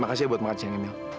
makasih buat makan sayangnya mil